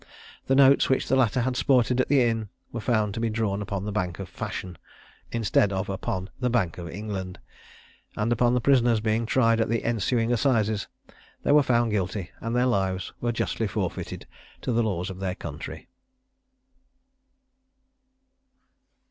The notes which the latter had sported at the inn were found to be drawn upon the "Bank of Fashion" instead of upon the "Bank of England;" and upon the prisoners being tried at the ensuing assizes, they were found guilty, and their lives were justly forfeited to the laws of their country.